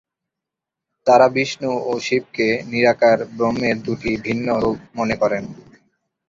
তারা বিষ্ণু ও শিবকে নিরাকার ব্রহ্মের দুটি ভিন্ন রূপ মনে করেন।